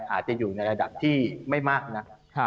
อาจจะอยู่ในระดับที่ไม่มากนัก